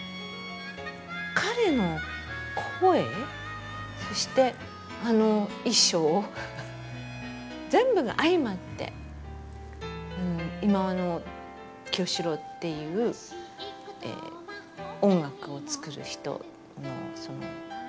彼の声そしてあの衣装全部が相まって忌野清志郎っていう音楽を作る人のそのかたまり